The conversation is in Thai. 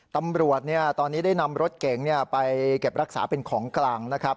ตำรวจตอนนี้ได้นำรถเก๋งไปเก็บรักษาเป็นของกลางนะครับ